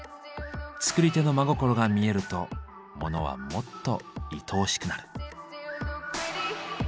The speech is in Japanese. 作り手の真心が見えるとモノはもっといとおしくなる。